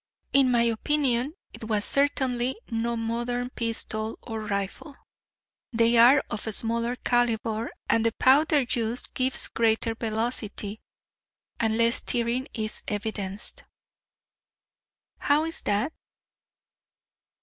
"In my opinion it was certainly no modern pistol or rifle; they are of smaller calibre and the powder used gives greater velocity, and less tearing is evidenced." "How is that?"